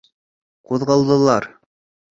Ҡуҙғалдылар.